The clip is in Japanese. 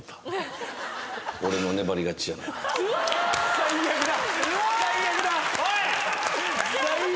最悪だ